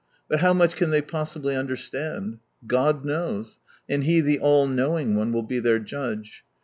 But how much can they possibly understand ? God knows, and He the All knowing One will be their Judge.